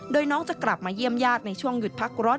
โดยน้องจะกลับมาเยี่ยมญาติในช่วงหยุดพักรถ